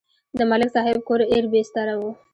د ملک صاحب کور ایر بېستره و.